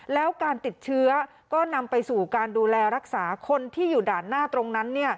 แล้วการติดเชื้อก็นำไปสู่การดูแลรักษาคนที่อยู่ด่านหน้าตรงนั้น